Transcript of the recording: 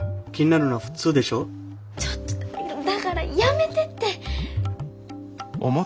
ちょっとだからやめてって。